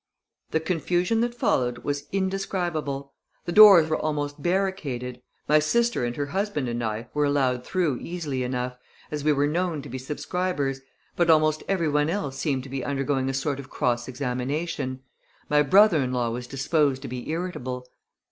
The confusion that followed was indescribable. The doors were almost barricaded. My sister and her husband and I were allowed through easily enough, as we were known to be subscribers, but almost every one else seemed to be undergoing a sort of cross examination. My brother in law was disposed to be irritable.